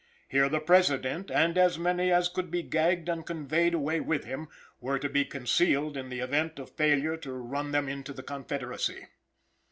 Here the President, and as many as could be gagged and conveyed away with him, were to be concealed in the event of failure to run them into the confederacy.